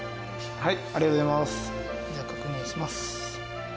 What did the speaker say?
はい。